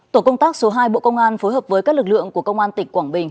tổ công tác số hai bộ công an phối hợp với các lực lượng của công an tỉnh quảng bình